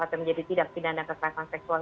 atau menjadi tindak pidana kekerasan seksual